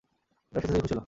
তোমরা এসেছ দেখে খুশি হলাম।